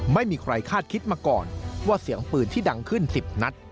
ไม่มีใครคาดคิดมาก่อนว่าเสียงปืนที่ดังขึ้น๑๐นัด